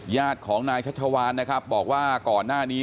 ญาติของนายชัชวานนะครับบอกว่าก่อนหน้านี้